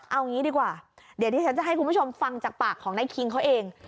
เอางี้ดีกว่าเดี๋ยวที่ฉันจะให้คุณผู้ชมฟังจากปากของนายคิงเขาเอง